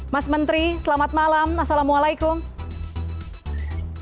mas menteri selamat malam assalamualaikum